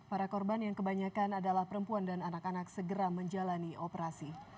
para korban yang kebanyakan adalah perempuan dan anak anak segera menjalani operasi